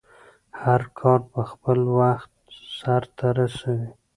هرکار په خپل وخټ سرته ورسوی